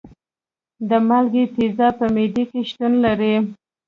د مالګې تیزاب په معده کې شتون لري.